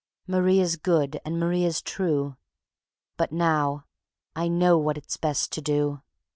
Marie is good and Marie is true ... But now I know what it's best to do.